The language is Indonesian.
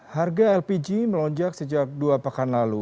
harga lpg melonjak sejak dua pekan lalu